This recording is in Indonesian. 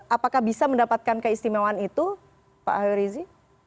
apakah bisa mendapatkan keistimewaan itu pak herizi